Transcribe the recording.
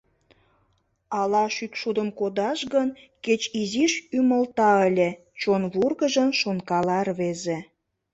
«Ала шӱкшудым кодаш гын, кеч изиш ӱмылта ыле? — чон вургыжын шонкала рвезе.